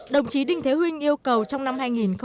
đồng chí đinh thế huynh yêu cầu trong năm hai nghìn một mươi bảy